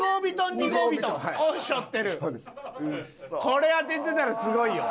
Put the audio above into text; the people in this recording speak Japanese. これ当ててたらすごいよ。